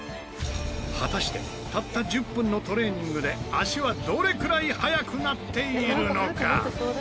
果たしてたった１０分のトレーニングで足はどれくらい速くなっているのか？